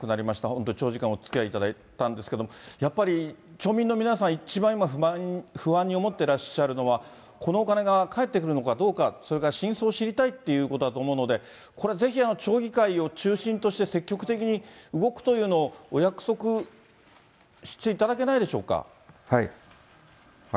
本当に長時間おつきあいいただいたんですけれども、やっぱり、町民の皆さん、一番、今不安に思ってらっしゃるのは、このお金が返ってくるのかどうか、それから真相を知りたいっていうことだと思うので、これぜひ、町議会を中心として、積極的に動くというのをお約束していただけないでしょうはい。